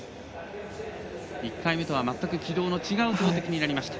１回目とは全く軌道の違う投てきになりました。